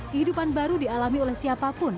kehidupan baru dialami oleh siapapun